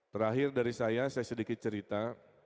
terakhir dari saya saya sedikit cerita